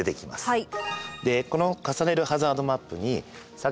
はい。